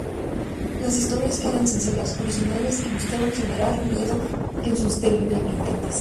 Las historias eran sencillas, originales y buscaban generar miedo en sus televidentes.